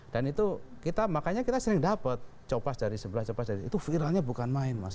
dan itu makanya kita sering dapat copas dari sebelah itu viralnya bukan main mas